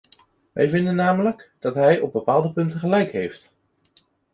Wij vinden namelijk dat hij op bepaalde punten gelijk heeft.